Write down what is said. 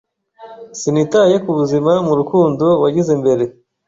Sinitaye kubuzima mu rukundo wagize mbere,